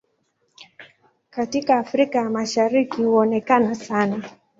Katika Afrika ya Mashariki huonekana sana.